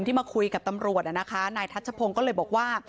มาคุยกับตำรวจนะคะนายทัชพงศ์ก็เลยบอกว่า